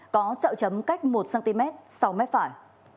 có xeo chấm cách một cm sau mép phải